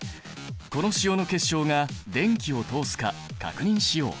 この塩の結晶が電気を通すか確認しよう。